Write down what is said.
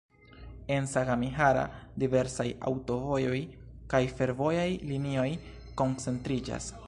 En Sagamihara diversaj aŭtovojoj kaj fervojaj linioj koncentriĝas.